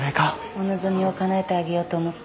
お望みをかなえてあげようと思って。